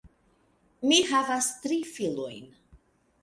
Mi havas tri filojn.